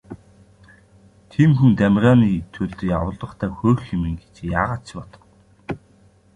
Тийм хүн Дамираныг төлд явуулахдаа хөөрхий минь гэж яагаад ч бодохгүй.